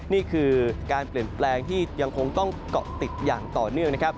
นี่คือการเปลี่ยนแปลงที่ยังคงต้องเกาะติดอย่างต่อเนื่องนะครับ